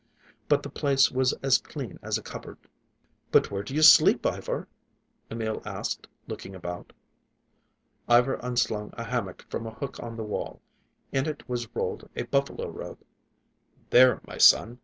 But the place was as clean as a cupboard. "But where do you sleep, Ivar?" Emil asked, looking about. Ivar unslung a hammock from a hook on the wall; in it was rolled a buffalo robe. "There, my son.